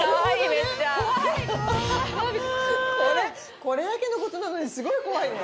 めっちゃこれこれだけのことなのにすごい怖いね！